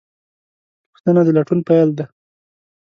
پوښتنه د لټون پیل ده.